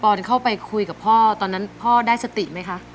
พอเข้าไปคุยกับพ่อพ่อได้สติไหมคะ